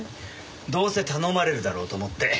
どうせ頼まれるだろうと思って。